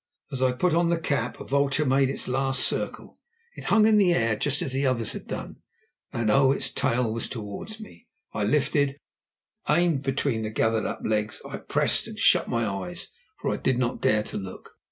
As I put on the cap a vulture made its last circle. It hung in the air just as the others had done, and oh! its tail was towards me. I lifted, I aimed between the gathered up legs, I pressed and shut my eyes, for I did not dare to look.